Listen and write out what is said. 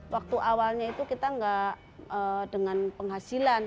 waktu awalnya itu kita nggak dengan penghasilan